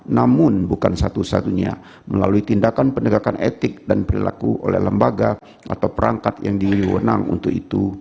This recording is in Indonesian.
namun bukan satu satunya melalui tindakan pendegakan etik dan perilaku oleh lembaga atau perangkat yang diwenang untuk itu